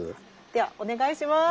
ではお願いします。